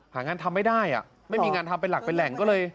หางานทำไม่ได้ไม่มีงานทำเป็นหลักเป็นแหล่งก็เลย